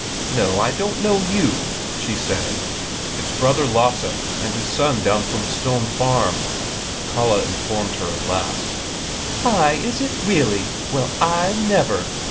"No, I don't know you!" she said. "It's Brother Lasse and his son down from Stone Farm," Kalle informed her at last. "Aye, is it really? Well, I never!